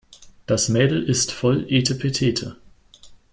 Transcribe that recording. Das Mädel ist voll etepetete.